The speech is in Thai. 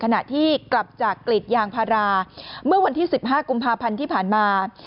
ขณะที่กลับจากกรีดยางพาราเมื่อวันที่๑๕กุมภาพันธ์ที่ผ่านมา